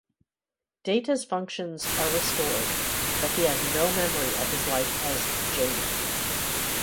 Data's functions are restored, but he has no memory of his life as "Jayden".